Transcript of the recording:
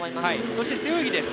そして、背泳ぎです。